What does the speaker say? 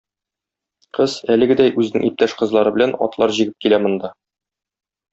Кыз, әлегедәй, үзенең иптәш кызлары белән, атлар җигеп килә монда.